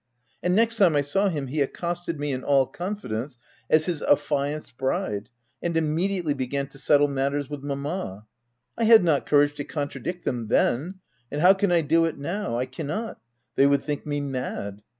And next time I saw him, he accosted me in all confidence as his affianced bride, and immediately began to settle matters with mamma. I had not courage to contradict them then, and how can I do it now ? I cannot : they would think me mad.